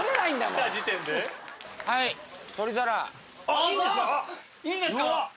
あっいいんですか？